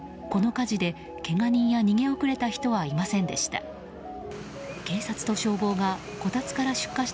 この火事で、けが人や逃げ遅れた人はいませんでした。